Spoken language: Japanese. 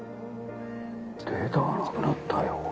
データがなくなったよ。